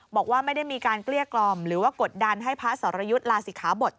บอกว่าไม่ได้มีการเกลี้ยกล่อมหรือว่ากดดันให้พระสรยุทธ์ลาศิขาบท